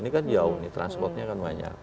ini kan jauh nih transportnya kan banyak